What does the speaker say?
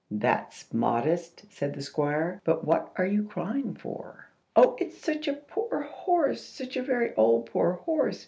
"That's modest!" said the Squire; "but what are you crying for?" "Oh, it's such a poor horse! Such a very old, poor horse!"